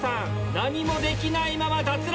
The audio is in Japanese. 何もできないまま脱落！